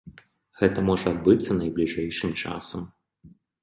Гэта можа адбыцца найбліжэйшым часам.